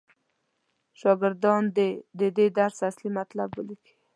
شاګردان دې د دې درس اصلي مطلب ولیکي.